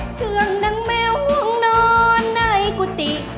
เชื่องนางแมวห่วงนอนในกุฏิ